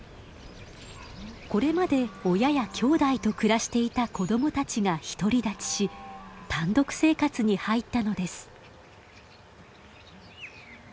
これまで親やきょうだいと暮らしていた子供たちが独り立ちし単独生活に入ったのです。